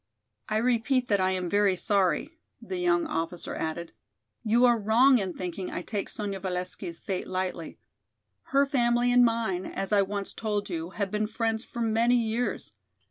"I repeat that I am very sorry," the young officer added. "You are wrong in thinking I take Sonya Valesky's fate lightly. Her family and mine, as I once told you, have been friends for many years.